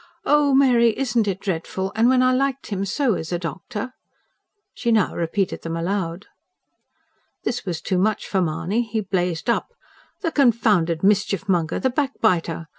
Oh, Mary, isn't it dreadful? And when I liked him so as a doctor!" She now repeated them aloud. This was too much for Mahony. He blazed up. "The confounded mischiefmonger the backbiter!